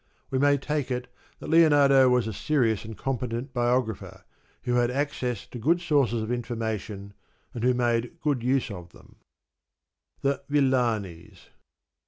We may take it that Lionardo was a serious and competent biog rapher who had access to good sources of information, and who made good use of them. The Villanis.